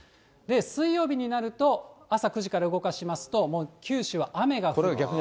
水曜日になると、朝９時から動かしますと、もう九州は雨が降って。